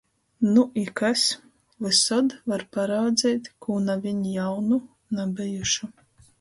Nu i kas? Vysod var paraudzeit kū naviņ jaunu, nabejušu...